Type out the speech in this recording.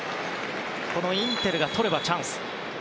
インテルがとればチャンス。